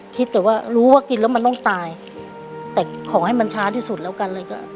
คิดแต่ว่ารู้ว่ากินแล้วมันต้องตายแต่ขอให้มันช้าที่สุดแล้วกันเลยก็